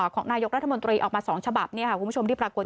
ของนายกรัฐมนตรีออกมา๒ฉบับคุณผู้ชมที่ปรากฏ